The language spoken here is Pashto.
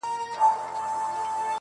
يو ځوان وايي دا ټول تبليغ دئ,